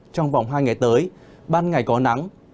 trong vòng hai ngày tới ban ngày có nắng